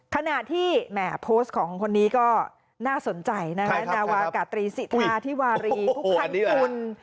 ขณะที่โพสต์ของคนนี้ก็น่าสนใจนะวากาศรีสิทธาทิวารีพุทธคันคุณ